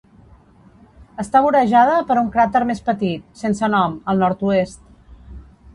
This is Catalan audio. Està vorejada per un cràter més petit, sense nom, al nord-oest.